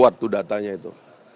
buat tuh datanya itu